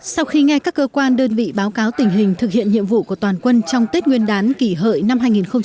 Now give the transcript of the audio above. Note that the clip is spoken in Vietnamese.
sau khi nghe các cơ quan đơn vị báo cáo tình hình thực hiện nhiệm vụ của toàn quân trong tết nguyên đán kỷ hợi năm hai nghìn một mươi chín